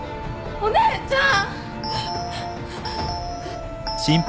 お姉ちゃん？